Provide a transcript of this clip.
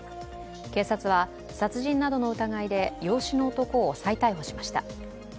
警察は殺人などの疑いで養子の男を再逮捕しました。